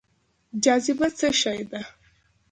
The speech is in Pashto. جاذبه څه شی دی؟